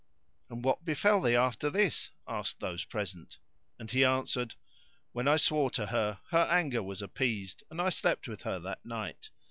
"And what befell thee after this?" asked those present; and he answered, "When I swore to her, her anger was appeased and I slept with her that night.